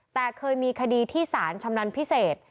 แต่เคยมีคดีที่สารชำนาญพิเศษ